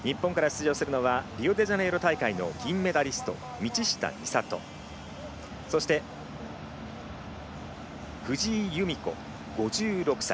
日本から出場するのはリオデジャネイロ大会の銀メダリスト道下美里そして、藤井由美子、５６歳。